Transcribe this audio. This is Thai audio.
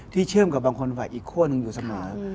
เชื่อมกับบางคนฝ่ายอีกขั้วหนึ่งอยู่เสมอ